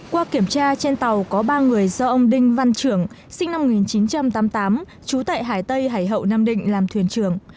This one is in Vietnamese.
qua kiểm tra trên tàu có ba người do ông đinh văn trưởng sinh năm một nghìn chín trăm tám mươi tám trú tại hải tây hải hậu nam định làm thuyền trưởng